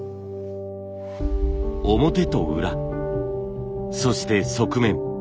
表と裏そして側面。